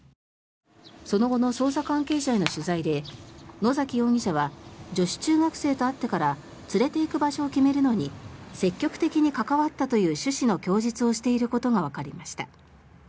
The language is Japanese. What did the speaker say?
その後の捜査関係者への取材で野崎容疑者は女子中学生と会ってから連れていく場所を決めるのに積極的に関わったという趣旨の供述をしていることがわかりました。